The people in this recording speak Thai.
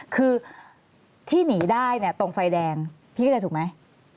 คือที่หนีได้เนี่ยตรงไฟแดงพี่เข้าใจถูกไหม